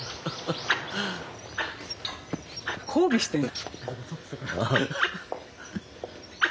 交尾してる。